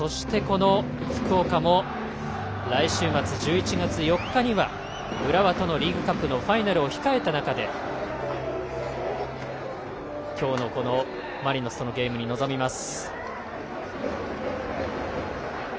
福岡も来週末１１月４日には浦和とのリーグカップのファイナルを控えた中で今日のマリノスとのゲームに臨みます。